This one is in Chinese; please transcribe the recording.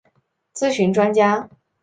咨询专家